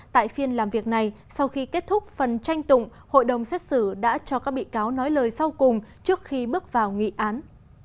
tại phiên làm việc này sau khi kết thúc phần tranh tụng hội đồng xét xử đã cho các bị cáo nói lời sau cùng trước khi bước vào nghị án